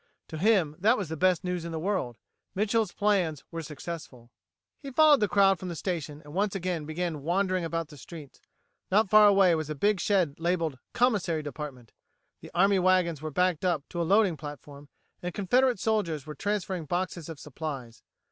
To him, that was the best news in the world. Mitchel's plans were successful. He followed the crowd from the station and once again began wandering about the streets. Not far away was a big shed labeled Commissary Department. The army wagons were backed up to a loading platform, and Confederate soldiers were busy transferring boxes of supplies.